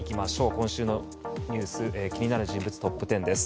今週のニュース気になる人物トップ１０です。